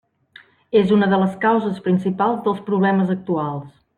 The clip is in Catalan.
És una de les causes principals dels problemes actuals.